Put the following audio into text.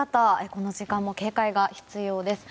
この時間も警戒が必要です。